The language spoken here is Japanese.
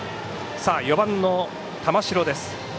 ４番の玉城です。